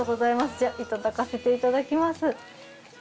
じゃあいただかせていただきます。